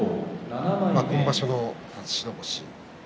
今場所の初白星。